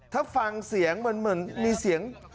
ถ้าฟังเสียงมันเหมือนมีเสียง